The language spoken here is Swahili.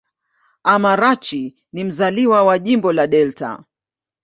Amarachi ni mzaliwa wa Jimbo la Delta.